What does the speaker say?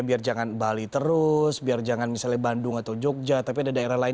biar jangan bali terus biar jangan misalnya bandung atau jogja tapi ada daerah lain